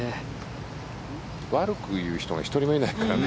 悪く言う人が１人もいないからね。